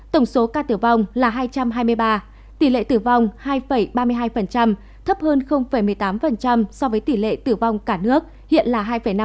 tổng số ca tử vong là hai trăm hai mươi ba tỷ lệ tử vong hai ba mươi hai thấp hơn một mươi tám so với tỷ lệ tử vong cả nước hiện là hai năm